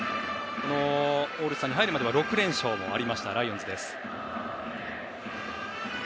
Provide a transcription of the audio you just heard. オールスターに入るまでは６連勝もあったライオンズです。